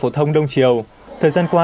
phổ thông đông triều thời gian qua